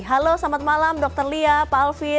halo selamat malam dr lia pak alvin